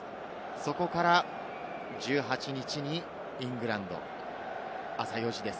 そこから１８日にイングランド、朝４時です。